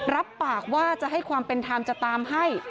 รับปากว่าจะให้ความเป็นธรรมจะตามให้